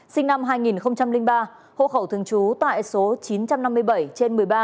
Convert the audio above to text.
sinh năm hai nghìn ba hộ khẩu thường trú tại số chín trăm năm mươi bảy trên một mươi ba